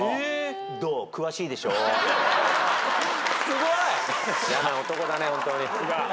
すごい！